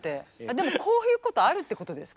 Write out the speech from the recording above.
でもこういうことあるってことですか？